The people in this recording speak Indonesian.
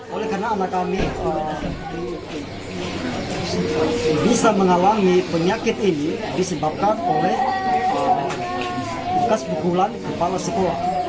oleh karena anak kami tentu bisa mengalami penyakit ini disebabkan oleh bekas pukulan kepala sekolah